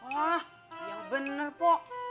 hah ya bener pok